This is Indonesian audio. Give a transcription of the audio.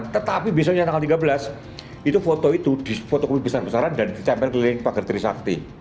tetapi besoknya tanggal tiga belas itu foto itu di foto kemimpisan pesaran dan dicampur keliling pakar trisakti